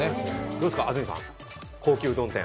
どうですか、安住さん、高級うどん店。